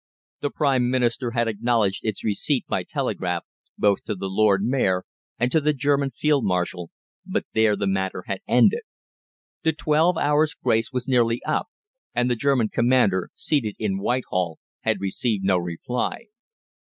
The Prime Minister had acknowledged its receipt by telegraph both to the Lord Mayor and to the German Field Marshal, but there the matter had ended. The twelve hours' grace was nearly up, and the German Commander, seated in Whitehall, had received no reply.